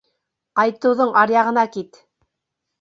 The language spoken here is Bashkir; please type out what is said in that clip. Ҡайтыуҙың аръяғына кит!